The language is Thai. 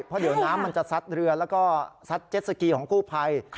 เพราะเดี๋ยวน้ำมันจะซัดเรือแล้วก็ซัดเจ็ดสกีของกู้ภัย